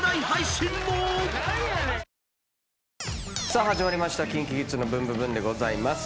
さあ始まりました『ＫｉｎＫｉＫｉｄｓのブンブブーン！』です。